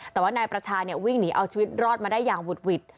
แต่ว่านายประชาวิ่งหนีเอาชีวิตรอดมาได้อย่างหุดหวิด